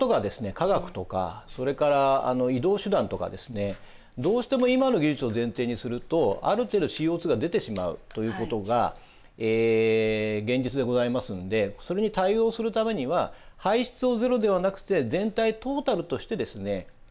化学とかそれから移動手段とかですねどうしても今の技術を前提にするとある程度ＣＯが出てしまうということが現実でございますのでそれに対応するためには排出をゼロではなくて全体トータルとしてですね